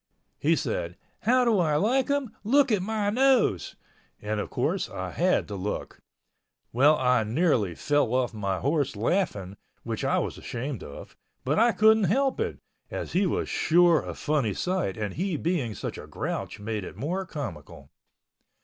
He said, "How do I like him? Look at my nose!" and, of course, I had to look. Well, I nearly fell off my horse laughing, which I was ashamed of, but I couldn't help it, as he was sure a funny sight and he being such a grouch made it more comical.